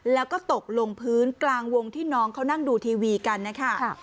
แล้วก็ตกลงพื้นกลางวงที่น้องเขานั่งดูทีวีกันนะคะ